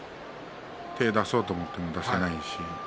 手を出そうと思っても出せないし。